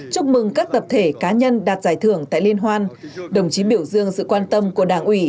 chúc mừng các tập thể cá nhân đạt giải thưởng tại liên hoan đồng chí biểu dương sự quan tâm của đảng ủy